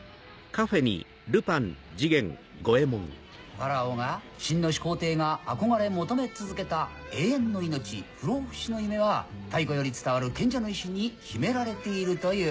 「ファラオが秦の始皇帝が憧れ求め続けた永遠の命不老不死の夢は太古より伝わる賢者の石に秘められているという」。